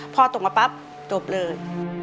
พอตกมาปั๊บจบเลย